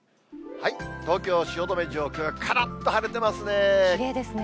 東京・汐留上空、からっと晴きれいですね。